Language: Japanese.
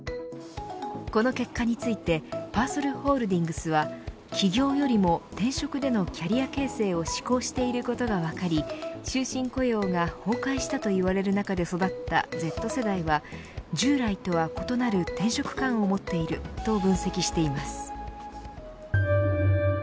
この結果についてパーソルホールディングスは起業よりも転職でのキャリア形成を志向していることが分かり終身雇用が崩壊したと言われる中で育ったＺ世代は従来とは異なる転職観を持っていると分析しています。